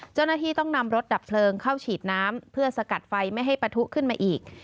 เจ้าหน้าที่ต้องนำรถดับเพลิงเข้าฉีดน้ำเพื่อสกัดไฟไม่ให้ปะทุขึ้นมาอีก